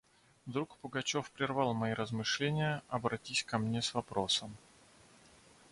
Вдруг Пугачев прервал мои размышления, обратись ко мне с вопросом: